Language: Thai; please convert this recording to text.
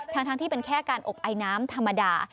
ทั้งที่เป็นแค่การอบไอน้ำธรรมดา